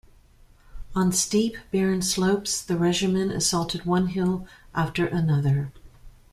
On steep, barren slopes, the regiment assaulted one hill after another.